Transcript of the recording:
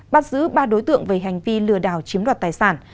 bắt giữ ba đối tượng về hành vi lừa đảo chiếm đoạt tài sản